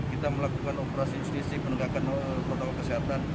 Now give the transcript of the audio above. kita melakukan operasi justisi penegakan protokol kesehatan